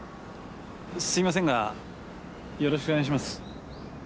すいませんがよろしくお願いします